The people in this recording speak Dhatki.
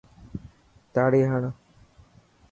تاڙي هڻ.